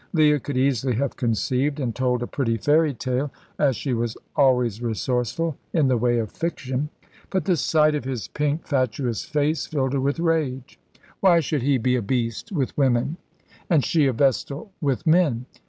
Leah could easily have conceived and told a pretty fairy tale, as she was always resourceful in the way of fiction; but the sight of his pink, fatuous face filled her with rage. Why should he be a beast with women, and she a vestal with men?